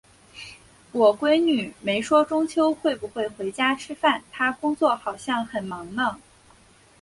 我闺女没说中秋会不会回家吃饭，她工作好像很忙呢。